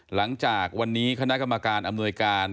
หลังจากวันนี้คณะกรรมการอำนวยการ